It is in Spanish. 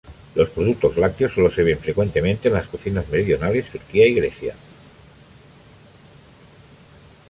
Los productos lácteos sólo se ven frecuentemente en las cocinas meridionales: Turquía y Grecia.